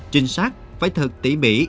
trinh sát phải thật tỉ mỉ